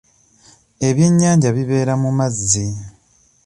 Ebyenyanja bibeera mu mazzi.